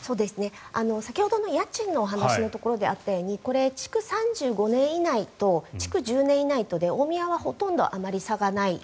先ほどの家賃のお話のところであったようにこれ、築３５年以内と築１０年以内とで大宮はほとんどあまり差がない。